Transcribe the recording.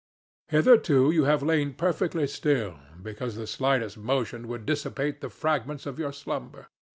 Hitherto you have lain perfectly still, because the slightest motion would dissipate the fragments of your slumber.